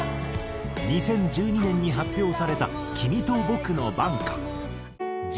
２０１２年に発表された『君と僕の挽歌』。